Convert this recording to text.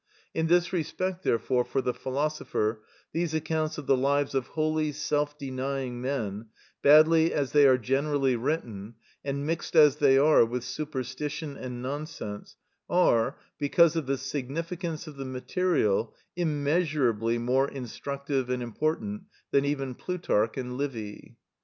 In this respect, therefore, for the philosopher, these accounts of the lives of holy, self denying men, badly as they are generally written, and mixed as they are with superstition and nonsense, are, because of the significance of the material, immeasurably more instructive and important than even Plutarch and Livy.